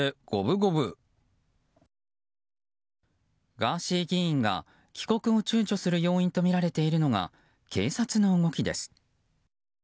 ガーシー議員が帰国を躊躇する要因とみられているのが警察の動きです。